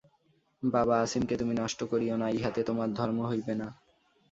বাবা, অছিমকে তুমি নষ্ট করিয়ো না, ইহাতে তোমার ধর্ম হইবে না।